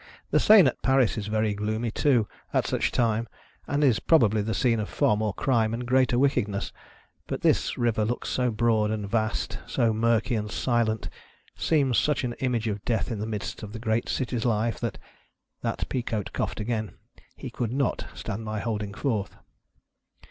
The Seine at Paris is very gloomy too, at such a time, and is probably the scene of far more crime and greater wickedness ; but this river looks so broad and vast, so murky and silent, seems such an image of death in. the midst of the great city's life, that " That Peacoat coughed again. He could not stand my holding forth.